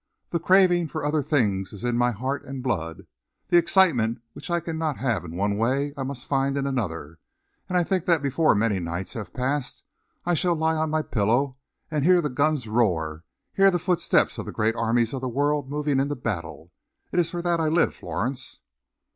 The craving for other things is in my heart and blood. The excitement which I cannot have in one way, I must find in another, and I think that before many nights have passed, I shall lie on my pillow and hear the guns roar, hear the footsteps of the great armies of the world moving into battle. It is for that I live, Florence."